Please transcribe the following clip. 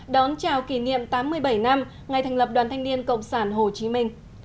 đón chào kỷ niệm tám mươi bảy năm ngày thành lập đoàn thanh niên cộng sản hồ chí minh